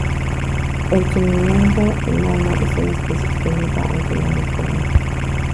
El suimanga enano es una especie extendida aunque no muy común.